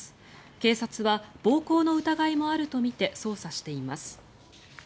警察は暴行の疑いもあるとみて捜査しています。